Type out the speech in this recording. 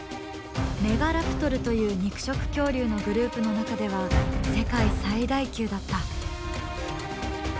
メガラプトルという肉食恐竜のグループの中では世界最大級だった。